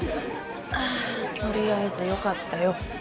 とりあえずよかったよ